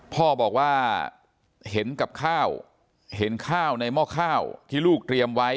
พ่อบอกว่าเห็นกับข้าวเห็นข้าวในหม้อข้าวที่ลูกเตรียมไว้